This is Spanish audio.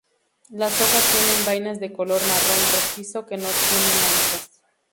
Las hojas tienen vainas de color marrón rojizo, que no tiene manchas.